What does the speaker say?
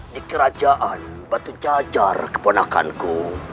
di kerajaan batu jajar keponakanku